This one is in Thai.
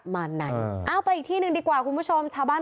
เมื่อกี้คุณเห็นไหม